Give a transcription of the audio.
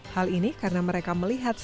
hal ini karena mereka melihat